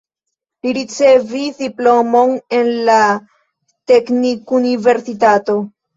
Li ricevis diplomon en la teknikuniversitato.